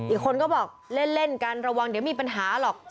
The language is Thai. อีกคนก็บอกเล่นกันระวังเดี๋ยวมีปัญหาหรอก